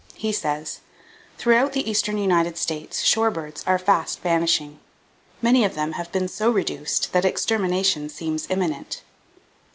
He says: "Throughout the eastern United States, shore birds are fast vanishing. Many of them have been so reduced that extermination seems imminent.